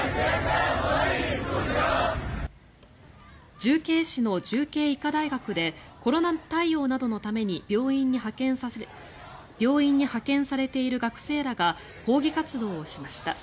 重慶市の重慶医科大学でコロナ対応などのために病院に派遣されている学生らが抗議活動をしました。